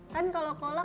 kan kalau kolok